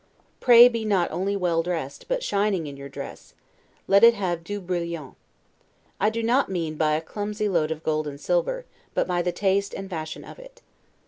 Pray be not only well dressed, but shining in your dress; let it have 'du brillant'. I do not mean by a clumsy load of gold and silver, but by the taste and fashion of it.